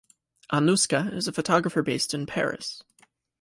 Anouska is a photographer based in Paris.